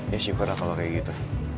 ya syukur lah kalau kayak gitu